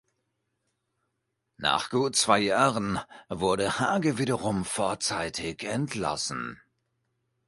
Nach gut zwei Jahren wurde Hage wiederum vorzeitig entlassen.